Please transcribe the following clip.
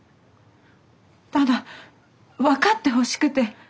ただ分かってほしくて。